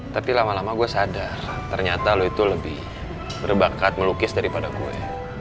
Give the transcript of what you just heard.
tapi lama lama gue sadar ternyata lo itu lebih berbakat melukis daripada gue